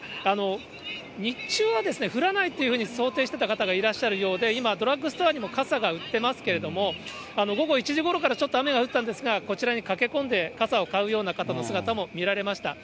日中はですね、降らないというふうに想定してた方がいらっしゃるようで、今、ドラッグストアにも傘が売ってますけれども、午後１時ごろからちょっと雨が降ったんですが、こちらに駆け込んで、傘を買うような方の姿も見られました。